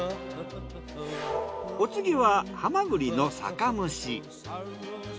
お次はハマグリの酒蒸し。